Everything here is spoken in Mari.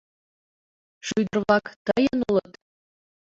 — Шӱдыр-влак тыйын улыт?